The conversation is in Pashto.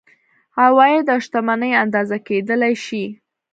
عواید او شتمني اندازه کیدلی شي.